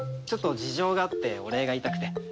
ちょっと事情があってお礼が言いたくて。